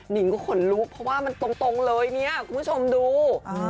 นิงก็ขนลุกเพราะว่ามันตรงเลยเนี่ยคุณผู้ชมดู